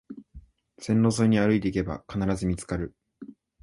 線路沿いに歩いていけば必ず見つかる